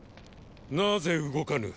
なぜ動かぬ。